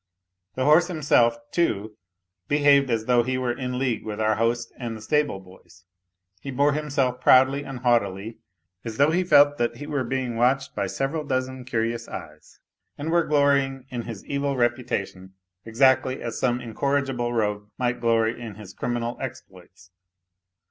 The horse himself, too, behaved as though he were in league with our host and the stable boys. He bore himself proudly and haughtily, as though he felt that he were being watched by several dozen curious eyes and were glorying in his evil reputation exactly as some incorrigible rogue might glory in his criminal exploits.